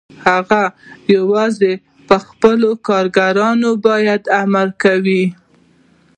هغه یوازې په خپلو کارګرانو باندې امر کوي